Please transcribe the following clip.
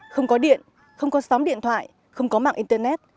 không có điện không có sóng điện thoại không có mạng internet